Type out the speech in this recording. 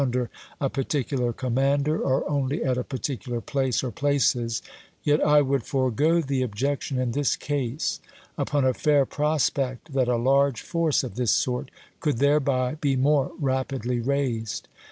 under a particular commander, or only at a particular place or places, yet I would forego the objection in this case, upon a fair prospect that a large force of this sort could thereby be more rapidly raised.